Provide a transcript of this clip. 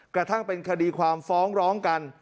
กระทั่งเป็นคดีความฟ้องร้องกัน